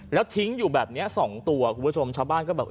แล้วทิ้งอยู่แบบเนี้ยสองตัวคุณผู้ชมชาวบ้านก็แบบ